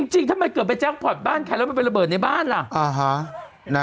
จริงถ้าเกิดไปแจ้งพอร์ตบ้านใครแล้วมันเป็นระเบิดในบ้านล่ะ